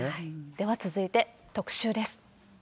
では続いて、特集です。